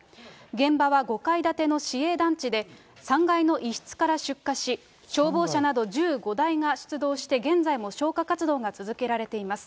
現場は５階建ての市営団地で３階の一室から出火し、消防車など１５台が出動して、現在も消火活動が続けられています。